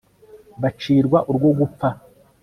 bacirwa urwo gupfa